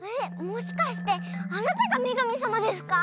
もしかしてあなたがめがみさまですか？